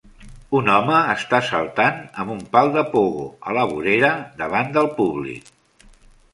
Un home està saltant amb un pal de pogo a la vorera davant del públic.